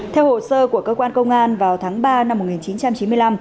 theo hồ sơ của cơ quan công an vào tháng ba năm một nghìn chín trăm năm mươi chín